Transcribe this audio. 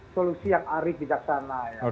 solusi yang arif bijaksana